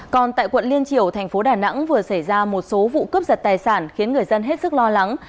còn tại quận liên triều thành phố đà nẵng vừa xảy ra một số vụ cướp giật tài sản khiến người dân hết sức lo lắng